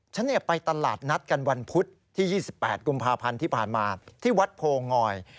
ฉันไปตลาดนัดกันวันพุธที่๒๘กุมภาพันธ์ที่ผ่านมาที่วัดโพงอย